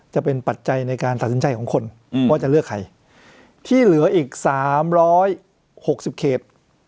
ปัจจัยในการตัดสินใจของคนว่าจะเลือกใครที่เหลืออีก๓๖๐เขต